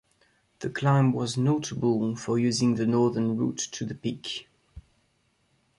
The climb was notable for using the northern route to the peak.